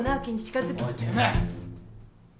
おいてめえ。